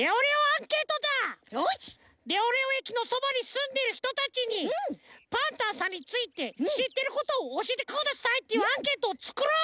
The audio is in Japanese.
レオレオ駅のそばにすんでるひとたちに「パンタンさんについてしってることをおしえてください」っていうアンケートをつくろう！